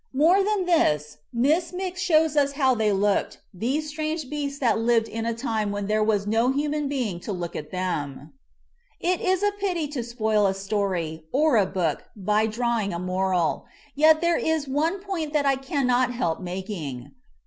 More than this, Miss Mix shows us how they looked, these INTRODUCTION 11 strange beasts that lived in a time when there was no human being to look at them. It is a pity to spoil a story, or a book, by draw ing a moral, yet there is one point that I cannot help making.